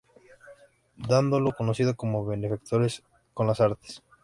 Dandolo era conocido como benefactor de las artes.